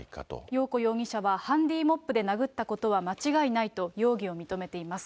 よう子容疑者は、ハンディーモップで殴ったことは間違いないと、容疑を認めています。